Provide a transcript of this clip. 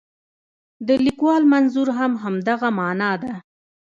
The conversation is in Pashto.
د لیکوال منظور هم همدغه معنا ده.